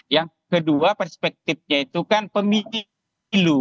yang kedua perspektifnya itu kan pemilu